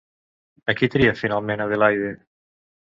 A qui tria finalment Adelaide?